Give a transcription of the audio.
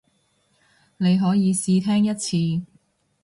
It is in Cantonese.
你可以試聽一次